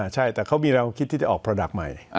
มีเรามองคิดจะออกประดักต์ใหม่